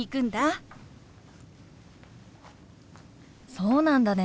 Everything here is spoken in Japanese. そうなんだね。